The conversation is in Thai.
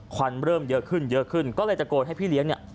ควันเริ่มเยอะขึ้นก็เลยจะโกนให้พี่เลี้ยงเนี่ย